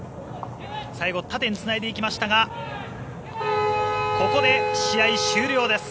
最後、縦につないでいきましたがここで試合終了です。